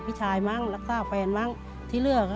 พี่ชายลักษะแฟนที่เลือด